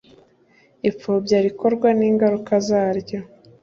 ipfobya rikorwa n’ingaruka zaryo